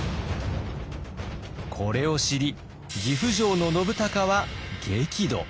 これを知り岐阜城の信孝は激怒。